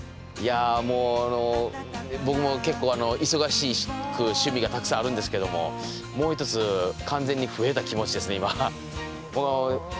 いやもう僕も結構忙しく趣味がたくさんあるんですけどももう一つ完全に増えた気持ちですね